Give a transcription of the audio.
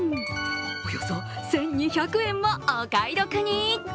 およそ１２００円もお買い得に。